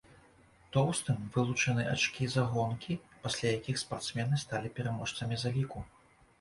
Тоўстым вылучаны ачкі за гонкі, пасля якіх спартсмены сталі пераможцамі заліку.